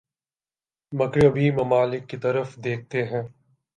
مغربی ممالک کی طرف دیکھتے ہیں